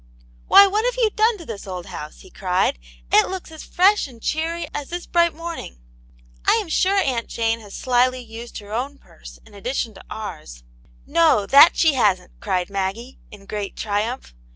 "Why, what have you done to this old house?" he cried. " It looks as fresh and cheery as this bright morning ! I am sure Aunt Jane has slyly used her own purse, in addition to ours." "No, that she hasn't!" cried Maggie, in great triumph.